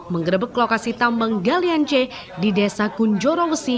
mengrebek lokasi tambang galian c di desa kunjorowosi